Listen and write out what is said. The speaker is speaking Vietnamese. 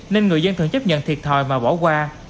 nên người dân thường chấp nhận thiệt thòi và bỏ qua